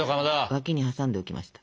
脇に挟んでおきました。